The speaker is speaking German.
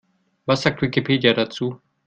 Was sagt Wikipedia dazu?